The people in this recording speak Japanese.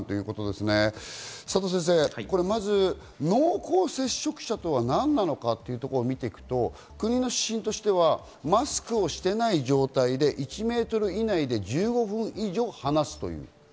濃厚接触者とは何なのかというところを見ていくと、国の指針としては、マスクをしていない状態で１ｍ以内で１５分以上話すという。